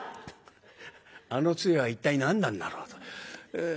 あの杖は一体何なんだろうと。